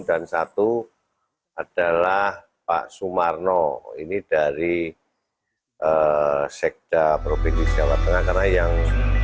dan satu adalah pak sumarno ini dari sekda provinsi jawa tengah kanayang